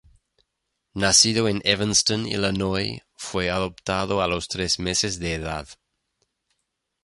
Nacido en Evanston, Illinois, fue adoptado a los tres meses de edad.